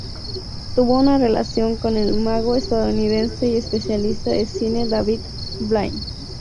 Tuvo una relación con el mago estadounidense y especialista de cine David Blaine.